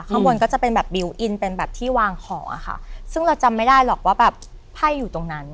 ข้างบนก็จะเป็นแบบบิวตอินเป็นแบบที่วางขออะค่ะซึ่งเราจำไม่ได้หรอกว่าแบบไพ่อยู่ตรงนั้น